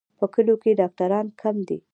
په کلیو کې ډاکټران کم دي.